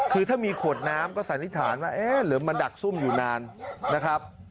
คือถ้ามีขวดน้ำก็สันนิษฐานว่าเอ๊ะหรือมาดักซุ่มอยู่นานนะครับ